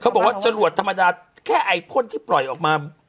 บอกว่าจรวดธรรมดาแค่ไอพ่นที่ปล่อยออกมา